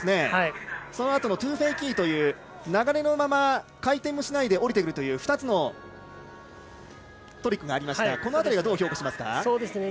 そのあとのトゥフェイキーという流れのまま回転もしないで降りてくるという２つのトリックがありましたがどう評価しますか。